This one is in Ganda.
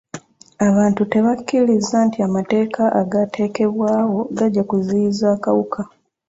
Abantu tebakkiriza nti amateeka agaateekebwawo gajja kuziyiza akawuka.